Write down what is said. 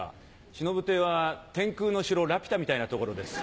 しのぶ亭は『天空の城ラピュタ』みたいな所です。